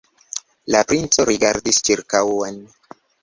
La princo rigardis ĉirkaŭen.